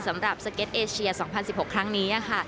สำหรับสเก็ตเอเชีย๒๐๑๖ครั้งนี้ค่ะ